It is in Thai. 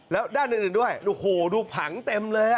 แล้วด้านอีกด้วยโห้วดูผังเต็มแล้ว